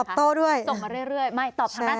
ตอบโต้ด้วยส่งมาเรื่อยไม่ตอบทางหน้าต่อเลย